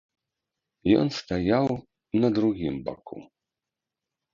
Ён стаяў на другім баку.